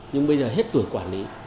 nhưng bây giờ hết tuổi quản lý